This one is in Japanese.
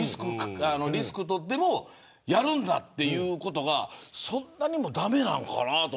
リスクを取ってでも、やるんだということはそんなにも駄目なんかなと。